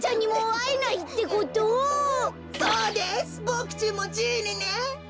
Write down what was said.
ボクちんもじいにね。